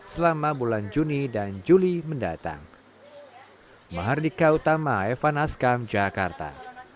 selama bulan juni dan juli mendatang mahardika utama evan askam jakarta